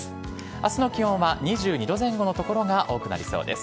あすの気温は２２度前後の所が多くなりそうです。